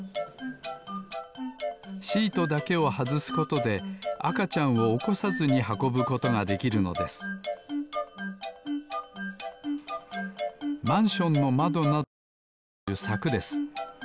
シートだけをはずすことであかちゃんをおこさずにはこぶことができるのですマンションのまどなどについているさくです。